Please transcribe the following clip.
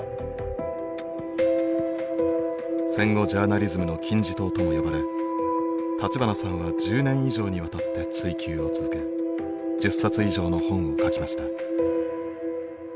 戦後ジャーナリズムの金字塔とも呼ばれ立花さんは１０年以上にわたって追究を続け１０冊以上の本を書きました。